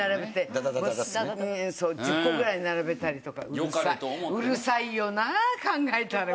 そう１０個ぐらい並べたりとかうるさいうるさいよなあ考えたら。